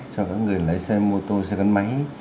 cho các người lấy xe mô tô xe gắn máy